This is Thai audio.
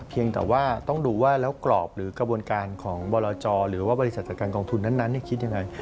เพียงแต่ว่าต้องดูว่าแล้วกรอบหรือกระบวนการของบรจหรือว่าบริษัทจัดการกองทุนนั้นคิดยังไง